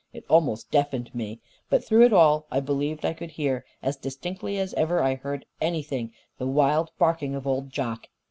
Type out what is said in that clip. It almost deafened me. But through it all I believed I could hear as distinctly as ever I heard anything the wild barking of old Jock.